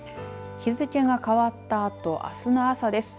日付が変わったあとあすの朝です。